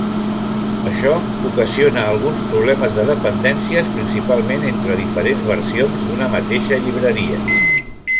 Això ocasiona alguns problemes de dependències, principalment entre diferents versions d'una mateixa llibreria.